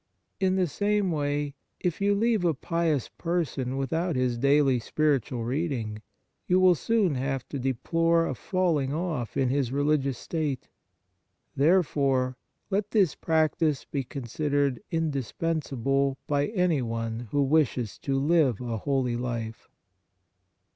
In the same way, if you On the Exercises of Piety leave a pious person without his daily spiritual reading, you will soon have to deplore a falling off in his religious state. Therefore, let this practice be considered indispensable by anyone who wishes to live a holy life.